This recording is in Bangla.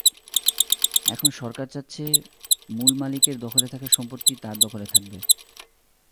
এখন সরকার চাচ্ছে, মূল মালিকের দখলে থাকা সম্পত্তি তার দখলে থাকবে।